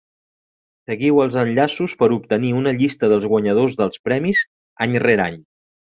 Seguiu els enllaços per obtenir una llista dels guanyadors dels premis, any rere any.